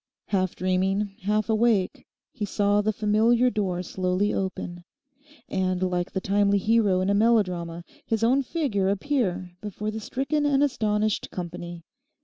Half dreaming, half awake, he saw the familiar door slowly open and, like the timely hero in a melodrama, his own figure appear before the stricken and astonished company.